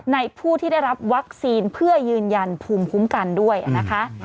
ผู้ที่ได้รับวัคซีนเพื่อยืนยันภูมิคุ้มกันด้วยนะคะ